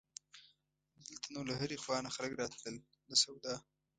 دلته نو له هرې خوا نه خلک راتلل د سودا.